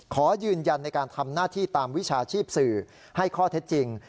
ขอยืนยันในการทำหน้าที่ตามวิชาชีพสื่อให้ข้อเท็จจริง